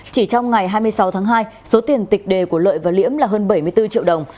chỉ trong ngày hai mươi sáu tháng hai số tiền tịch đề của lợi và liễm là hơn bảy mươi bốn triệu đồng